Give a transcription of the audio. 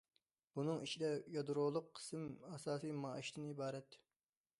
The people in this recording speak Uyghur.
بۇنىڭ ئىچىدە يادرولۇق قىسىم ئاساسىي مائاشتىن ئىبارەت.